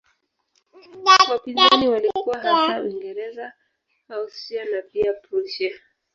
Wapinzani walikuwa hasa Uingereza, Austria na pia Prussia.